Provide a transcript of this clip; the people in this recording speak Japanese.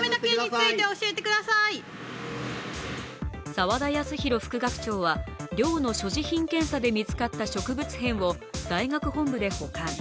澤田康広副学長は寮の所持品検査で見つかった植物片を大学本部で保管。